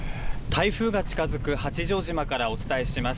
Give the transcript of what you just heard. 台風が近づく八丈島からお伝えします。